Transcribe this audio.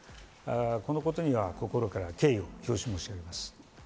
このことには心から敬意を表します。